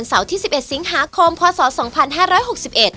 สวัสดีครับ